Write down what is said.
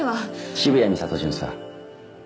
渋谷美里巡査。